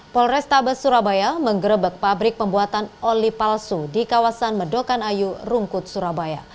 polrestabes surabaya menggerebek pabrik pembuatan oli palsu di kawasan medokan ayu rungkut surabaya